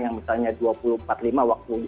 yang misalnya dua puluh empat puluh lima waktu